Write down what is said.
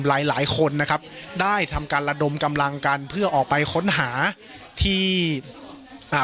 หลายหลายคนนะครับได้ทำการระดมกำลังกันเพื่อออกไปค้นหาที่อ่า